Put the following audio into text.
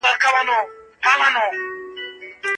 دغه مرحله د بشر د ذهن د پرمختګ دويمه مرحله ده.